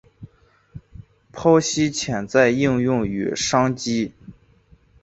剖析潜在应用与商机